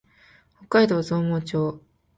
北海道増毛町